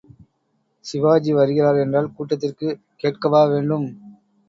சிவாஜி வருகிறார் என்றால் கூட்டத்திற்குக் கேட்கவாவேண்டும்.